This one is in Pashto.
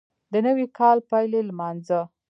د نوي کال پیل یې لمانځه